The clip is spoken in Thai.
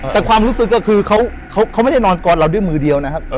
แต่ความรู้สึกก็คือเขาไม่ได้นอนกอดเราด้วยมือเดียวนะครับ